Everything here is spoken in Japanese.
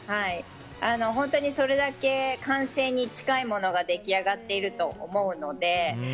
本当にそれだけ完成に近いものが出来上がっていると思うので。